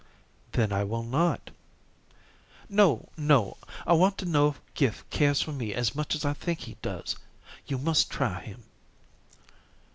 "Then I will not " "No, no. I want to know if Gift cares for me as much as I think he does. You must try him."